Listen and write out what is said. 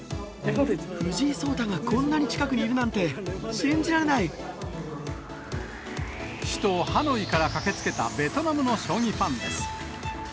藤井聡太がこんなに近くにい首都ハノイから駆けつけたベトナムの将棋ファンです。